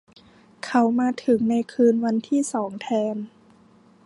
เขามาถึงในคืนวันที่สองแทน